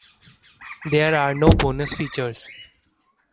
There are no bonus features.